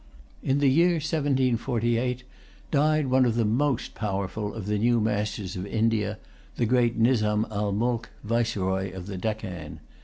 In the year 1748, died one of the most powerful of the new masters of India, the great Nizam al Mulk, Viceroy of the Deccan.